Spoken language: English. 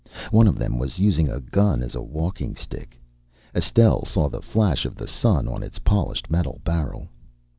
One of them was using a gun as a walking stick. Estelle saw the flash of the sun on its polished metal barrel.